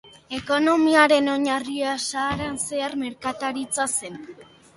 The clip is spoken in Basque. Ekonomiaren oinarria Saharan zeharko merkataritza zen.